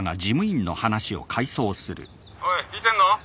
おい聞いてんの？